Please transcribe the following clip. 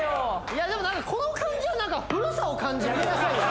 いやでも何かこの感じは何かやめなさいよ